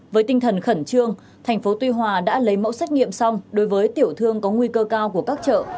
với tinh thần khẩn trương thành phố tuy hòa đã lấy mẫu xét nghiệm xong đối với tiểu thương có nguy cơ cao của các chợ